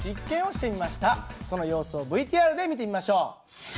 その様子をＶＴＲで見てみましょう。